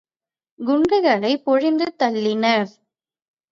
குண்டுகளை பொழிந்து தள்ளினர்.